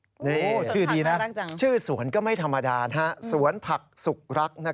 นี่ชื่อดีนะชื่อสวนก็ไม่ธรรมดาสวนผักสุขรัก